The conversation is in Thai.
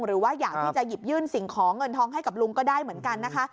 หรือว่าอยากที่จะหยิบยื่นสิ่งของเงินทองให้กับลุงก็ได้เหมือนกันนะคะ